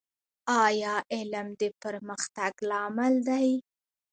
ایا علم د پرمختګ لامل دی؟